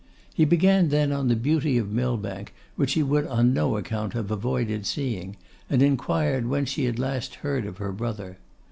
He began then on the beauty of Millbank, which he would on no account have avoided seeing, and inquired when she had last heard of her brother.